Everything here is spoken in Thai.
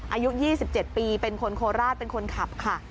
อายุ๒๗ปีเป็นคนโคราชเป็นคนขับค่ะ